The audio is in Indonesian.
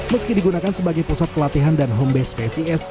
meski digunakan sebagai pusat pelatihan dan homebase psis